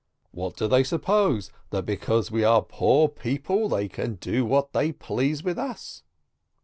"What do they suppose? That because we are poor people they can do what they please with us?